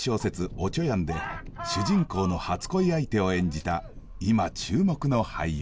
「おちょやん」で主人公の初恋相手を演じた今注目の俳優。